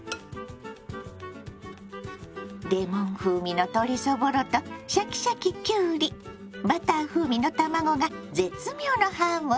レモン風味の鶏そぼろとシャキシャキきゅうりバター風味の卵が絶妙のハーモニー！